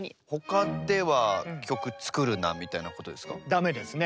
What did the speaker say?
ダメですね。